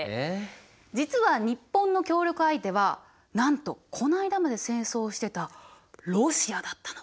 実は日本の協力相手はなんとこの間まで戦争をしてたロシアだったの。